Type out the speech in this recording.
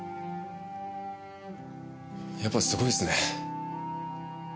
やっぱすごいっすね。